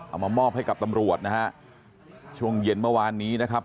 เอามามอบให้กับตำรวจนะฮะช่วงเย็นเมื่อวานนี้นะครับ